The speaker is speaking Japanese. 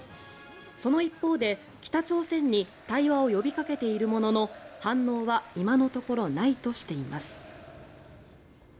その一方で、北朝鮮に対話を呼びかけているものの反応は今のところないとしています。